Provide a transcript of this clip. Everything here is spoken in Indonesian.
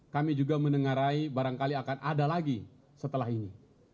kami juga mendengarai barangkali akan ada lagi setelah ini